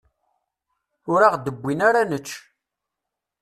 Ur aɣ-d-wwin ara ad nečč.